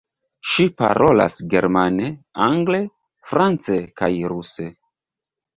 Ŝi parolas germane, angle, france kaj ruse.